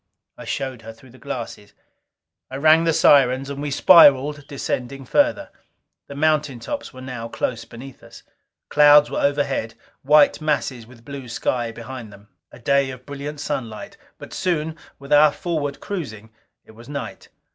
I showed her through the glasses. I rang the sirens, and we spiraled, descending further. The mountain tops were now close beneath us. Clouds were overhead, white masses with blue sky behind them. A day of brilliant sunlight. But soon, with our forward cruising, it was night.